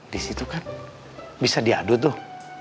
di situ kan bisa diadu tuh